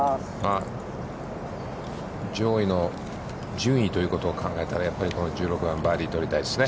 上位の順位ということを考えたら、やっぱりこの１６番は、バーディーを取りたいですね。